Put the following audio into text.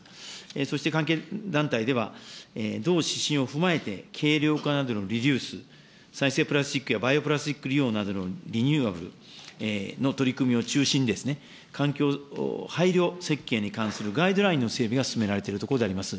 そして関係団体では、同指針を踏まえて、軽量化などのリデュース、再生プラスチックやバイオプラスチックなどのリニューアルの取り組みを中心にですね、環境配慮設計に関するガイドラインの整備が進められているところでございます。